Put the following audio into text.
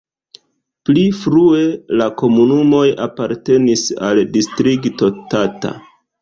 Pli frue la komunumoj apartenis al Distrikto Tata.